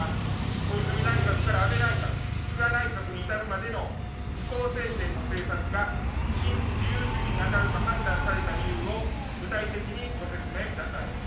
小泉内閣から安倍内閣、菅内閣に至るまでの自公政権の政策が新自由主義に当たると判断された理由を具体的にご説明ください。